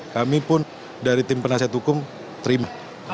kami pun dari tim penasihat hukum terima